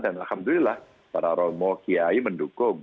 dan alhamdulillah para romo kiai mendukung